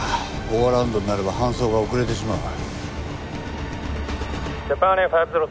ゴーアラウンドになれば搬送が遅れてしまう。